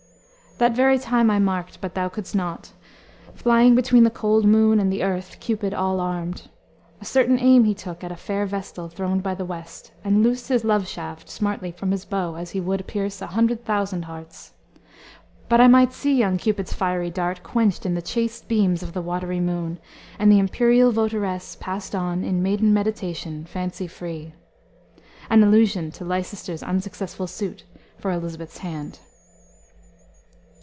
"That very time I marked but thou could'st not Flying between the cold moon and the earth, Cupid all armed. A certain aim he took At a fair vestal throned by the west, And loosed his love shaft smartly from his bow As he would pierce a hundred thousand hearts. But I might see young Cupid's fiery dart Quenched in the chaste beams of the watery moon, And the imperial votaress passed on In maiden meditation, fancy free" an allusion to Leicester's unsuccessful suit for Elisabeth's hand.